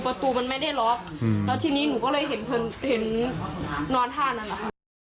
ประตูมันไม่ได้ล็อกแล้วทีนี้หนูก็เลยเห็นนอนท่านั้นแหละค่ะ